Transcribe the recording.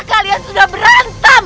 kalian sudah berantem